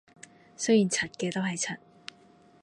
雖然柒嘅都係柒